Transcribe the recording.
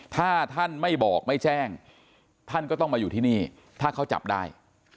ถ้าท่านไม่บอกไม่แจ้งท่านก็ต้องมาอยู่ที่นี่ถ้าเขาจับได้